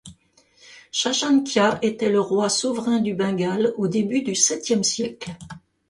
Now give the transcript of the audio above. Shashankya était le roi souverain du Bengale au début du septième siècle.